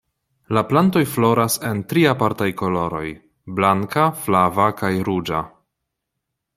La plantoj floras en tri apartaj koloroj: blanka, flava kaj ruĝa.